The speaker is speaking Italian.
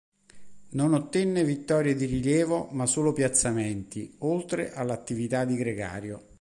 Non ottenne vittorie di rilievo ma solo piazzamenti, oltre all'attività di gregario.